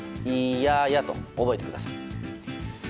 「いやや」と覚えてください。